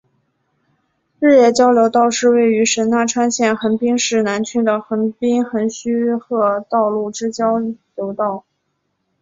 日野交流道是位于神奈川县横滨市南区的横滨横须贺道路之交流道。